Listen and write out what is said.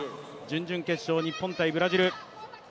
準々決勝、日本×ブラジル。